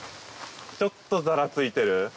ちょっとざらついてる。